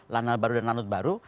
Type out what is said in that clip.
lanal baru dan lanut baru